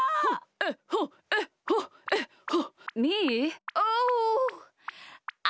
えっほえっほえっほ。